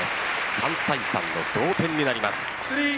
３対３の同点になります。